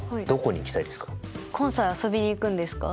関西遊びに行くんですか？